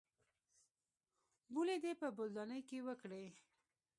بولې دې په بولدانۍ کښې وکړې.